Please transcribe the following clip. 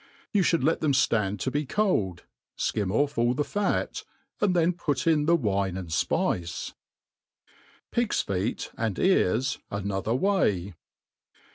You (bould let them Hand' to be cold^ fkim off all the fat, .and then put In the wine and fpice. Pig^s Feet and Ears another Way.